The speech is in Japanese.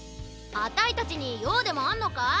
あたいたちにようでもあんのか？